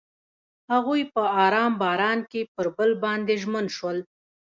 هغوی په آرام باران کې پر بل باندې ژمن شول.